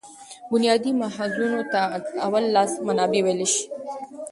بنیادي ماخذونو ته اول لاس منابع ویلای سو.